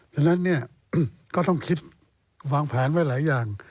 ฉะนั้นเนี่ยก็ต้องคิดวางแผนไว้หลายอย่าง